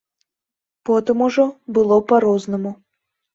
Потым ужо было па-рознаму.